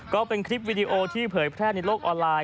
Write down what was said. ก็เป็นคลิปวิดีโอที่เผยแพร่ในโลกออนไลน